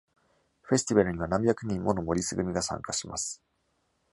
フェスティバルには何百人ものモリス組が参加します。